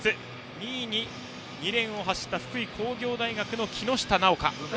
２位に２レーンを走った福井工業大学の木下直か。